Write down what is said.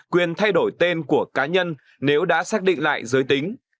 quyền thay đổi tên của cá nhân nếu đã xác định lại giới tính